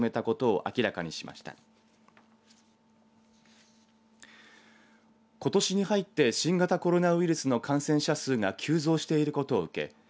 ことしに入って新型コロナウイルスの感染者数が急増していることを受け